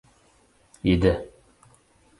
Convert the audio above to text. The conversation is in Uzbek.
‘ydi.